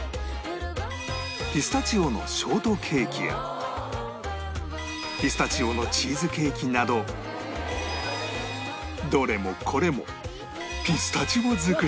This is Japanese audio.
ピスタチオのショートケーキやピスタチオのチーズケーキなどどれもこれもピスタチオ尽くし！